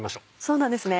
そうなんですね。